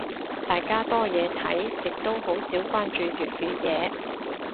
大家多嘢睇，亦都好少關注粵語嘢。